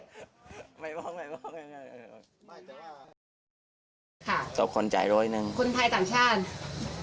ส่วนคนจ่ายร้อยหนึ่ง